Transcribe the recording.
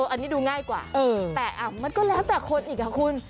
อันนี้ดูง่ายกว่าแต่มันก็แล้วแต่คนอีกค่ะคุณ